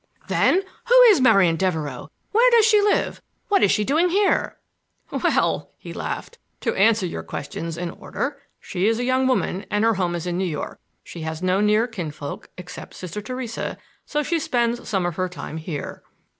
"Then, who is Marian Devereux—where does she live—what is she doing here—?" "Well," he laughed, "to answer your questions in order, she's a young woman; her home is New York; she has no near kinfolk except Sister Theresa, so she spends some of her time here."